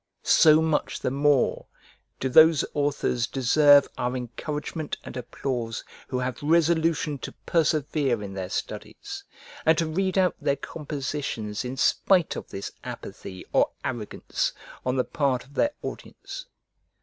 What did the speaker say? So much the more do those authors deserve our encouragement and applause who have resolution to persevere in their studies, and to read out their compositions in spite of this apathy or arrogance on the part of their audience.